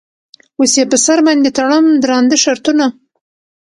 اوس یې په سر باندې تړم درانده شرطونه.